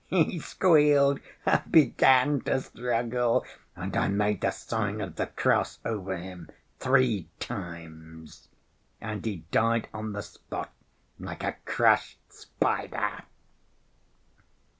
He squealed and began to struggle, and I made the sign of the cross over him three times. And he died on the spot like a crushed spider.